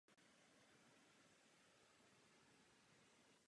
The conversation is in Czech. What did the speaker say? V poslední letech hřiště Old Course hostilo The Open každých pět let.